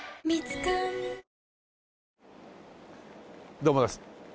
どうもです。